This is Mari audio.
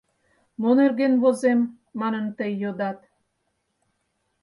Мо нерген возем, манын тый йодат?